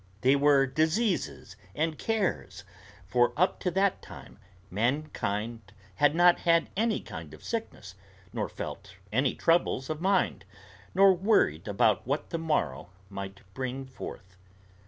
They were diseases and cares; for up to that time mankind had not had any kind of sickness, nor felt any troubles of mind, nor worried about what the morrow might bring forth.